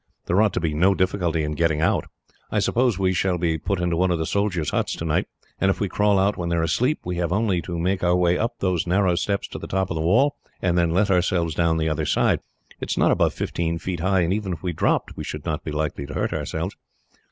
There ought to be no difficulty in getting out. I suppose we shall be put into one of the soldiers' huts tonight, and if we crawl out when they are asleep, we have only to make our way up those narrow steps to the top of the wall, and then let ourselves down the other side. It is not above fifteen feet high, and even if we dropped, we should not be likely to hurt ourselves."